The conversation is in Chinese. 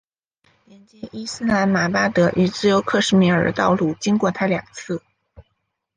连接伊斯兰马巴德与自由克什米尔的道路经过它两次。